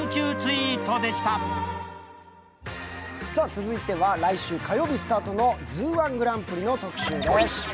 続いては来週火曜日スタートの「ＺＯＯ−１グランプリ」の特集です